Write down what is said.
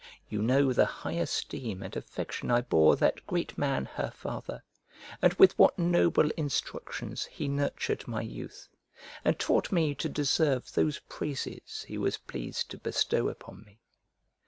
You know the high esteem and affection I bore that great man her father, and with what noble instructions he nurtured my youth, and taught me to deserve those praises he was pleased to bestow upon me.